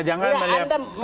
jangan melihat tampangnya